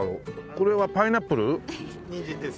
これはパイナップル？